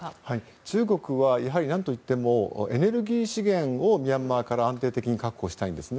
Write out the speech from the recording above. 中国は何といってもエネルギー資源をミャンマーから安定的に確保したいんです。